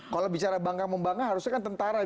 kalau bicara bangga membangga harusnya kan tentara nih